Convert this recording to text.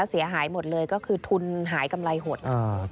เสียหายหมดเลยก็คือทุนหายกำไรหด